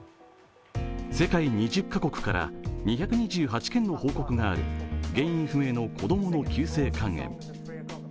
世界２０カ国から２２８件の報告がある原因不明の子供の急性肝炎。